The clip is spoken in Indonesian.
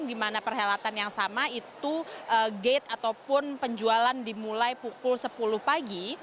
di mana perhelatan yang sama itu gate ataupun penjualan dimulai pukul sepuluh pagi